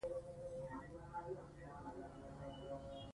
اداري اقدام باید د محرمیت اصل مراعات کړي.